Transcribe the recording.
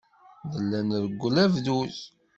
Nella nreggel abduz.